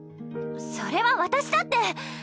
それは私だって！